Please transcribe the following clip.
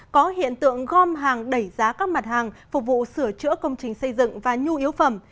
có hiện tượng gom hàng đẩy giá các mặt hàng phục vụ sửa chữa công trình xây dựng và nhu yếu phẩm